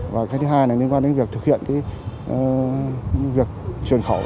và cái thứ hai là liên quan đến việc thực hiện việc truyền khẩu